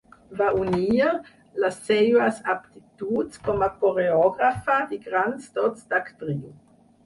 Va unir les seues aptituds com a coreògrafa i grans dots d'actriu.